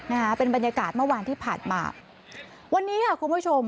นะฮะเป็นบรรยากาศเมื่อวานที่ผ่านมาวันนี้ค่ะคุณผู้ชม